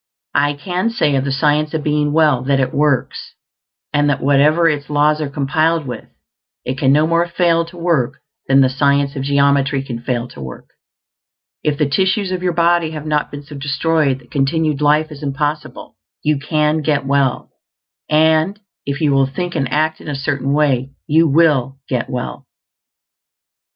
I can say of the Science of Being Well that it works; and that wherever its laws are complied with, it can no more fail to work than the science of geometry can fail to work. If the tissues of your body have not been so destroyed that continued life is impossible, you can get well; and if you will think and act in a Certain Way, you will get well.